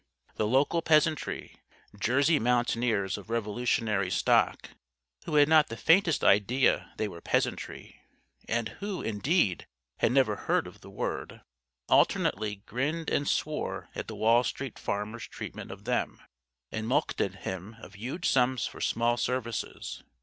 The local peasantry Jersey mountaineers of Revolutionary stock, who had not the faintest idea they were "peasantry" and who, indeed, had never heard of the word alternately grinned and swore at the Wall Street Farmer's treatment of them, and mulcted him of huge sums for small services.